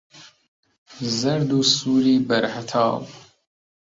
زەرد و سووری بەر هەتاوە